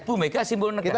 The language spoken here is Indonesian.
ibu mega simbol negara